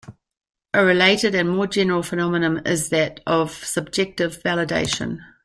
A related and more general phenomenon is that of subjective validation.